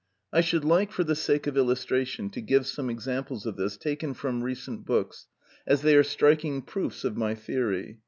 I should like, for the sake of illustration, to give some examples of this taken from recent books, as they are striking proofs of my theory.